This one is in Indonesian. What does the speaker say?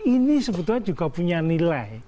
ini sebetulnya juga punya nilai